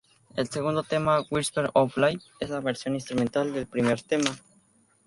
El segundo tema "Whisper Of Life" es la versión instrumental del primer tema.